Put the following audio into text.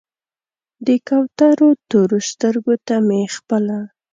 د کوترو تورو سترګو ته مې خپله